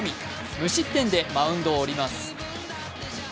無失点でマウンドを降ります。